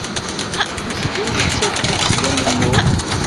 Tezga nettat yid-s d amennuɣ.